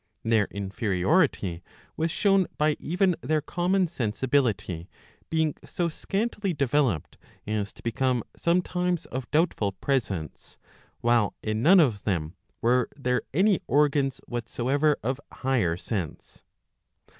Their inferiority was shown by even their common sensibility being so scantily developed as to become sometimes of doubtful presence, while in none of them were there any organs whatsoever of higher sense.'